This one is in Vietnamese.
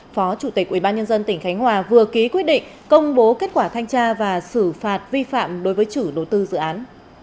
phó chủ tịch ubnd tỉnh khánh hòa vừa ký quyết định công bố kết quả thanh tra và xử phạt vi phạm đối với chủ đầu tư dự án